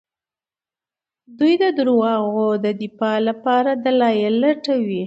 دوی د دروغو د دفاع لپاره دلايل لټوي.